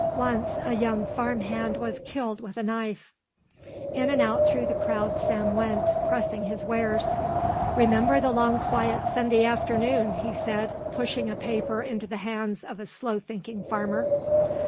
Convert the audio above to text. Once a young farm hand was killed with a knife. In and out through the crowd Sam went, pressing his wares. "Remember the long quiet Sunday afternoon," he said, pushing a paper into the hands of a slow thinking farmer.